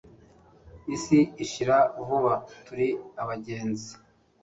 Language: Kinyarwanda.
isi ishira vuba turi abagenzi